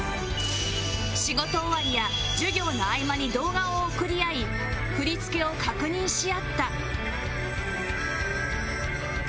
仕事終わりや授業の合間に動画を送り合い振り付けを確認し合った